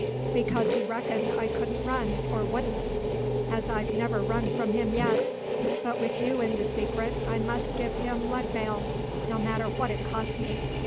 "Because he reckoned I couldn' run or wouldn', as I've never run from him yet. But with you in the secret I must give him leg bail, no matter what it costs me.